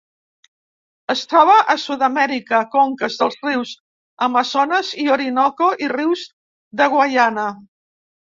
Es troba a Sud-amèrica: conques dels rius Amazones i Orinoco, i rius de Guaiana.